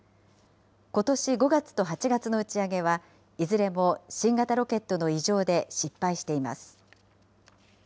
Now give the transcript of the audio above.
ことし５月と８月の打ち上げは、いずれも新型ロケットの異常で失敗しています。